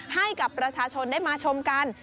ให้กับประชาชนได้มาชมกัน